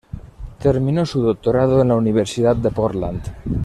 Terminó su doctorado en la Universidad de Portland.